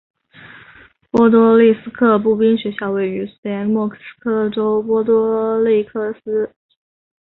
波多利斯克步兵学校位于苏联莫斯科州波多利斯克。